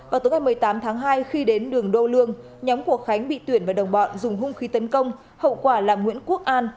vào tối ngày một mươi tám tháng hai khi đến đường đô lương nhóm của khánh bị tuyển và đồng bọn dùng hung khí tấn công hậu quả là nguyễn quốc an